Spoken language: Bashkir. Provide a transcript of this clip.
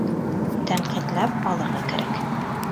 — Тәнҡитләп алырға кәрәк.